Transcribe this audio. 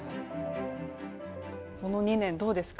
この２年、どうですか？